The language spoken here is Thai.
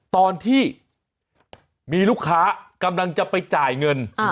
ตอนที่มีลูกค้ากำลังจะไปจ่ายเงิน